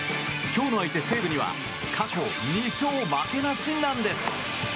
今日の相手、西武には過去２勝負けなしなんです。